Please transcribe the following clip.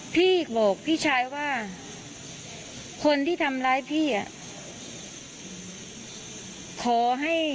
พี่บอกพี่ชายว่าคนที่ทำร้ายพี่